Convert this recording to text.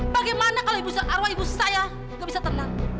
bagaimana kalau ibu arwah ibu saya kau bisa tenang